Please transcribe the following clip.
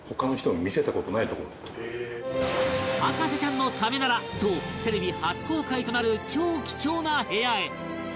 「博士ちゃんのためなら」とテレビ初公開となる超貴重な部屋へ！